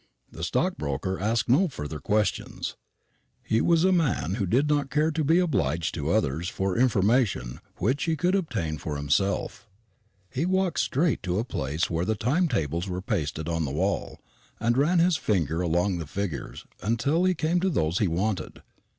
The stockbroker asked no further questions. He was a man who did not care to be obliged to others for information which he could obtain for himself. He walked straight to a place where the time tables were pasted on the wall, and ran his finger along the figures till he came to those he wanted.